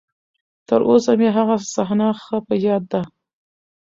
تر اوسه مې هغه صحنه ښه په ياد ده.